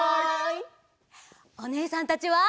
おねえさんたちは。